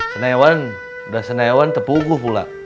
senyawan udah senyawan tepuguh pula